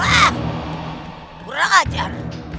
wah kurang ajar